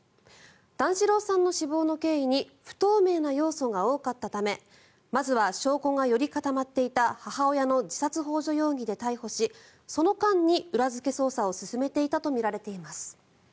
段四郎さんの死亡の経緯に不透明な要素が多かったためまずは証拠がより固まっていた母親の自殺ほう助容疑で逮捕しその間に裏付け捜査を進めていたとみられています。